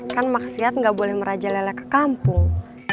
kan maksiat nggak boleh meraja lelek ke kampung